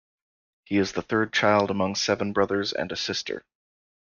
He is the third child among seven brothers and a sister.